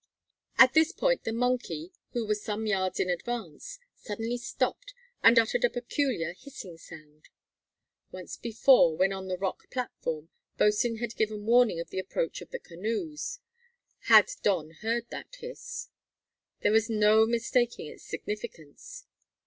At this point the monkey, who was some yards in advance, suddenly stopped and uttered a peculiar hissing sound. Once before when, on the rock platform, Bosin had given warning of the approach of the canoes had Don heard that hiss. There was no mistaking its significance.